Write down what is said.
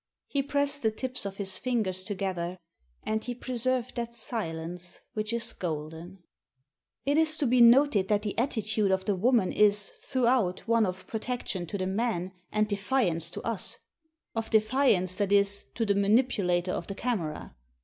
He pressed the tips of his fingers together. And he preserved that silence which is golden. It is to be noted that the attitude of the woman is, throughout, one of protection to the man and defiance to us — of defiance, that is, to the manipu lator of the camera.